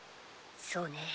そうね。